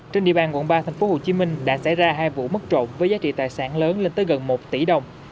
trên địa bàn quận ba tp hcm đã xảy ra hai vụ mất trộm với giá trị tài sản lớn lên tới gần một tỷ đồng